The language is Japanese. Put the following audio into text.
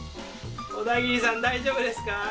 小田切さん大丈夫ですか？